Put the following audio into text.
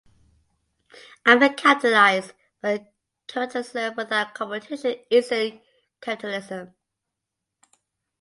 I’m a capitalist, but capitalism without competition isn’t capitalism.